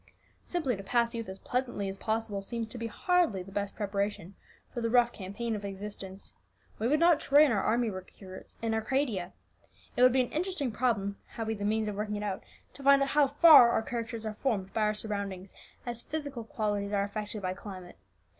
"Simply to pass youth as pleasantly as possible seems to be hardly the best preparation for the rough campaign of existence. We would not train our army recruits in Arcadia. It would be an interesting problem, had we the means of working it out, to find out how far our characters are formed by our surroundings, as physical qualities are affected by climate.